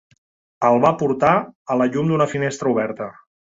El va portar a la llum d'una finestra oberta.